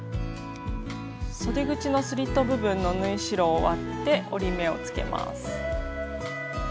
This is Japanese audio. そで口のスリット部分の縫い代を割って折り目をつけます。